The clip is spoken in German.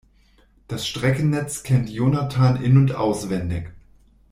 Das Streckennetz kennt Jonathan in- und auswendig.